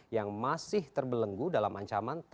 yang masih terbelenggu dalam ancaman